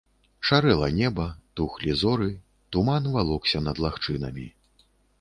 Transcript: Шарэла неба, тухлі зоры, туман валокся над лагчынамі.